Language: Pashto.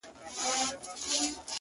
حروف د ساز له سوره ووتل سرکښه سوله